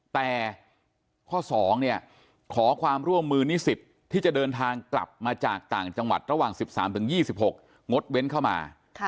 แต่ข้อ๒ขอความร่วมมือนิสิตที่จะเดินทางกลับมาจากต่างจังหวัดระหว่าง๑๓๒๖งดเว้นเข้ามา